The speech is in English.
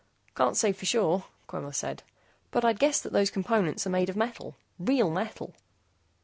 "Can't say for sure," Quemos said, "but I'd guess that those components are made of metal real metal."